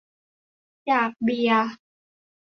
อยากเบียร์